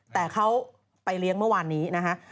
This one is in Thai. แต่เขาไปเลี้ยงเมื่อวานนี้นะฮะ